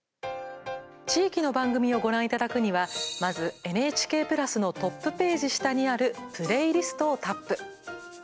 地域の番組をご覧いただくにはまず、ＮＨＫプラスのトップページ下にある「プレイリスト」をタップ。